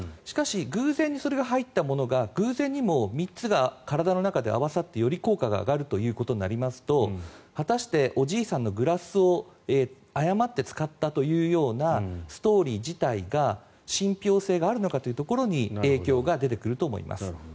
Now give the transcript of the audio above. しかし、偶然にそれが入ったものが偶然にも３つが体の中で合わさってより効果が上がるということになりますと果たしておじいさんのグラスを誤って使ったというようなストーリー自体が信ぴょう性があるのかというところに影響が出てくると思います。